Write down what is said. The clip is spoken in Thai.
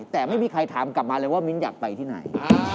แต่ไม่มีใครถามกลับมาเลยว่ามิ้นอยากไปที่ไหน